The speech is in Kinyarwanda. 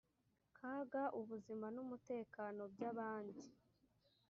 kaga ubuzima n umutekano by abandi